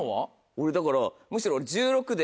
俺だからむしろ。